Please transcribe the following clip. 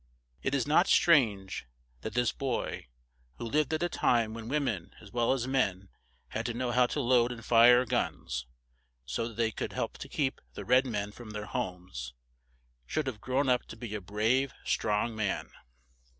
It is not strange that this boy, who lived at a time when wo men as well as men had to know how to load and fire guns, so that they could help to keep the red men from their homes, should have grown up to be a brave, strong man.